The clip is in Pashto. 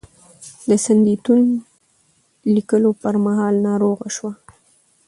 د "سندیتون" لیکلو پر مهال ناروغه شوه.